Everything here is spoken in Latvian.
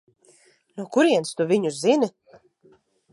No kurienes tu viņu zini?